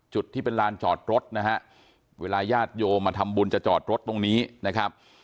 จุดที่เป็นลานจอดรถนะฮะเวลาญาติโยมมาทำบุญจะจอดรถตรงนี้นะครับ